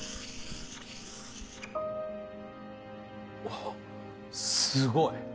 あっすごい。